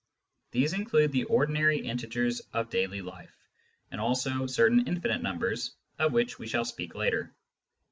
These include the ordinary integers of daily life, and also certain infinite numbers, of which we shall speak later.